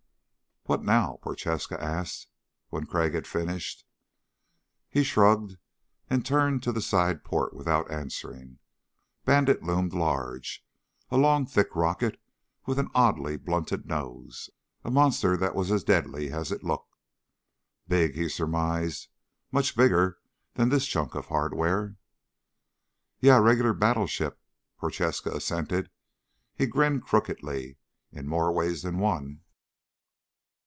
"What now?" Prochaska asked, when Crag had finished. He shrugged and turned to the side port without answering. Bandit loomed large, a long thick rocket with an oddly blunted nose. A monster that was as deadly as it looked. "Big," he surmised. "Much bigger than this chunk of hardware." "Yeah, a regular battleship," Prochaska assented. He grinned crookedly. "In more ways than one."